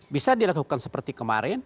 bisa dilakukan seperti kemarin